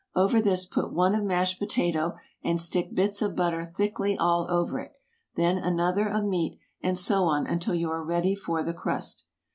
Over this put one of mashed potato, and stick bits of butter thickly all over it; then another of meat, and so on until you are ready for the crust.